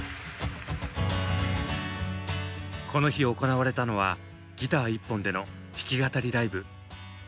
この日行われたのはギター１本での弾き語りライブ。